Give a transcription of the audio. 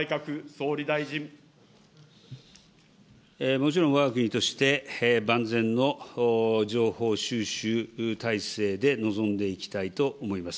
もちろん、わが国として万全の情報収集体制で臨んでいきたいと思います。